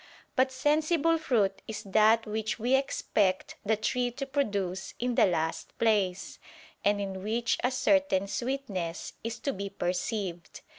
But sensible fruit is that which we expect the tree to produce in the last place, and in which a certain sweetness is to be perceived.